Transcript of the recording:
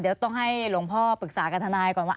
เดี๋ยวต้องให้หลวงพ่อปรึกษากับทนายก่อนว่า